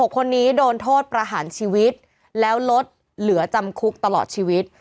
คนนี้โดนโทษประหารชีวิตแล้วลดเหลือจำคุกตลอดชีวิต